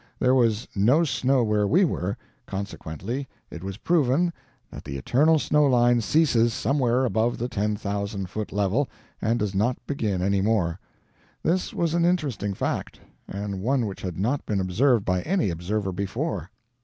There was no snow where we were, consequently it was proven that the eternal snow line ceases somewhere above the ten thousand foot level and does not begin any more. This was an interesting fact, and one which had not been observed by any observer before.